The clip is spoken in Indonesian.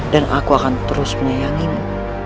dan aku akan terus menyayangimu